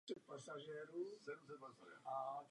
Zemřela v pověsti svatosti.